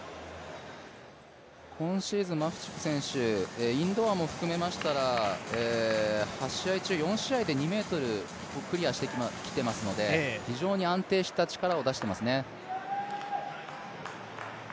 今シーズン、マフチク選手、インドアも含めましたら８試合中４試合で２ｍをクリアしてきていますので非常に安定した力を出してますね。